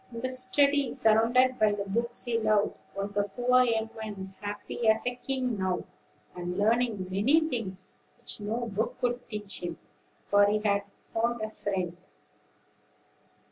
In the study, surrounded by the books he loved, was the poor young man, happy as a king now, and learning many things which no book could teach him; for he had found a friend.